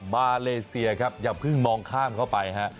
มาเลเซียครับอย่าเพิ่งมองข้ามเข้าไปฮะ